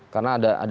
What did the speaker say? karena ada terjadi